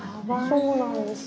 そうなんです。